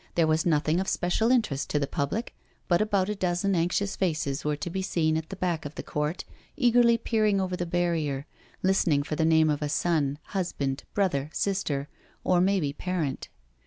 There was nothing of special interest to the public, but about a dozen anxious faces were to be seen at the back of the courty eagerly peering over the barrier, listening for the name of a son, husband, brother, sister, or. maybe parent.